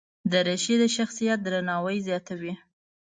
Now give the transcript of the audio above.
دریشي د شخصیت درناوی زیاتوي.